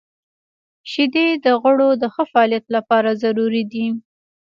• شیدې د غړو د ښه فعالیت لپاره ضروري دي.